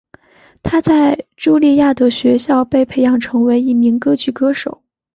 她在朱利亚德学校被培养成为一名歌剧歌手。